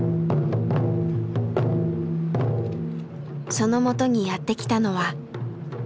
そのもとにやって来たのは。